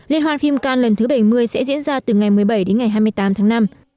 liên hoan phim can lần thứ bảy mươi sẽ diễn ra từ ngày một mươi bảy đến ngày hai mươi tám tháng năm